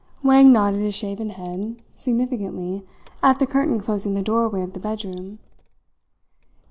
Wang nodded his shaven head significantly at the curtain closing the doorway of the bedroom.